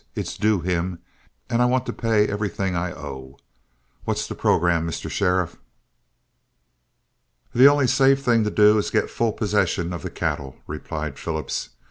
It's due him, and I want to pay everything I owe. What's the programme, Mr. Sheriff?" "The only safe thing to do is to get full possession of the cattle," replied Phillips.